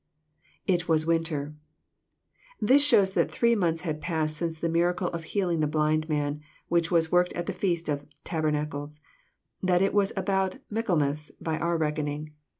[It vjas winter.] This shows that three months had passed since the miracle of healing the blind man, which was worked at the feast of tabernacles. That was about Michaelmas, by our reckoning.